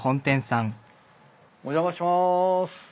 お邪魔します。